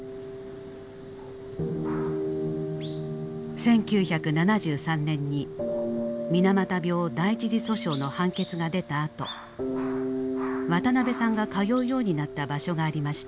１９７３年に水俣病第一次訴訟の判決が出たあと渡辺さんが通うようになった場所がありました。